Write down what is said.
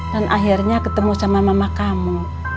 dan akhirnya ketemu sama mama kamu